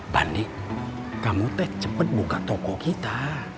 bandi kamu cepet buka toko kita